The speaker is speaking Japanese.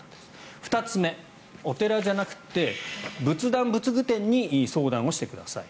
２つ目お寺じゃなくて仏壇・仏具店に相談してください。